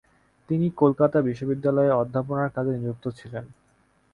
তিনি কলকাতা বিশ্ববিদ্যালয়ে অধ্যাপনার কাজে নিযুক্ত ছিলেন।